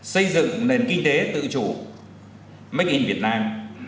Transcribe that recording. xây dựng nền kinh tế tự chủ make in việt nam